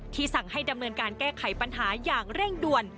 สั่งให้ดำเนินการแก้ไขปัญหาอย่างเร่งด่วน